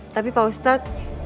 tapi pak ustadz